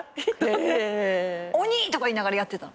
鬼！とか言いながらやってた。